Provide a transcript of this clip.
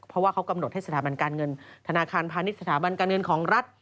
เพราะว่าเขากำหนดให้สถาบันการเงินธนาคารพาณิชยสถาบันการเงินของรัฐ